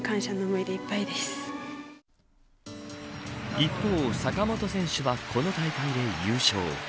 一方、坂本選手はこの大会で優勝。